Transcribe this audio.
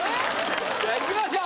じゃあいきましょう！